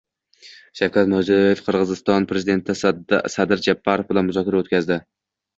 Shavkat Mirziyoyev Qirg‘iziston prezidenti Sadir Japarov bilan muzokara o‘tkazdi